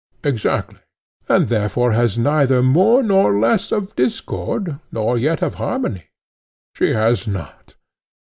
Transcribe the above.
Exactly. And therefore has neither more nor less of discord, nor yet of harmony? She has not.